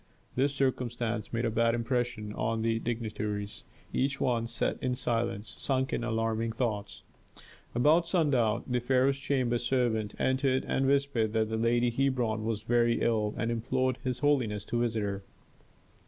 This circumstance made a bad impression on the dignitaries. Each one sat in silence, sunk in alarming thoughts. About sundown the pharaoh's chamber servant entered and whispered that the lady Hebron was very ill, and implored his holiness to visit her.